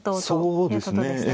そうですね。